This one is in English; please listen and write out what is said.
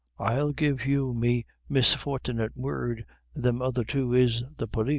"I'll give you me misfort'nit word thim other two is the pólis."